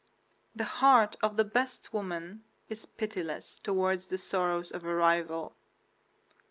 The heart of the best woman is pitiless toward the sorrows of a rival.